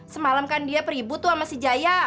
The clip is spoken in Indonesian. semalam kan dia peribut tuh sama si jaya